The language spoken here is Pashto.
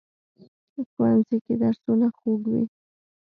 ښوونځی کې درسونه خوږ وي